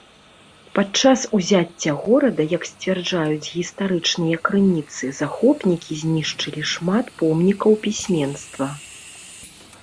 Падчас узяцця горада, як сцвярджаюць гістарычныя крыніцы, захопнікі знішчылі шмат помнікаў пісьменства.